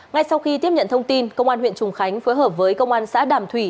ngay sau khi tiếp nhận thông tin công an huyện trùng khánh phối hợp với công an xã đàm thủy